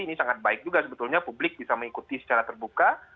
ini sangat baik juga sebetulnya publik bisa mengikuti secara terbuka